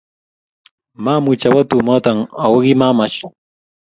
Maamuch awo tumoto ,ako kimamach